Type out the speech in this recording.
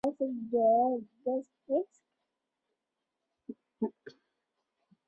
渐江和尚和石涛都曾在此居住。